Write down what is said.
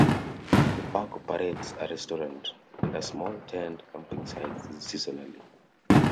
The park operates a restaurant and a small tent camping sites seasonally.